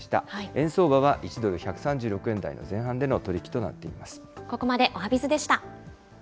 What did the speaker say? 円相場は１ドル１３６円台の前半での取り引きとなっています。